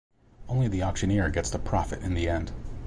Only the auctioneer gets to profit in the end.